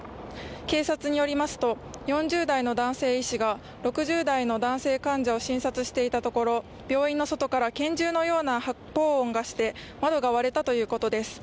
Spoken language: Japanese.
警察によりますと、４０代の男性医師が６０代の男性患者を診察していたところ病院の外から拳銃のような発砲音がして、窓が割れたということです。